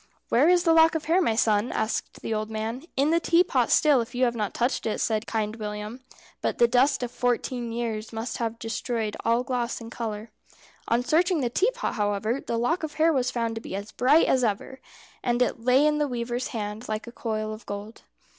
"Where is the lock of hair, my son?" asked the old man. "In the teapot still, if you have not touched it," said Kind William; "but the dust of fourteen years must have destroyed all gloss and colour." On searching the teapot, however, the lock of hair was found to be as bright as ever, and it lay in the weaver's hand like a coil of gold.